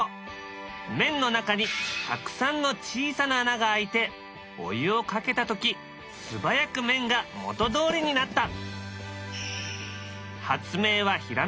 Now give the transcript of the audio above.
麺の中にたくさんの小さな穴があいてお湯をかけた時素早く麺が元どおりになった。